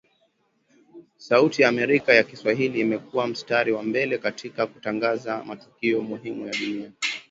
Sauti ya Amerika ya kiswahili imekua mstari wa mbele katika kutangaza matukio muhimu ya dunia